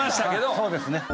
そうですね。